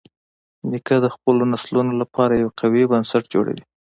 نیکه د خپلو نسلونو لپاره یو قوي بنسټ جوړوي.